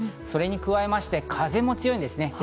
それに加えまして、風も強いんですね。